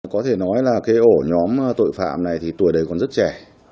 có thể nói là cái ổ nhóm tội phạm này thì tuổi đời còn rất trẻ